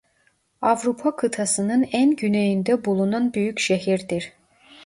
Avrupa kıtasının en güneyinde bulunan büyük şehirdir.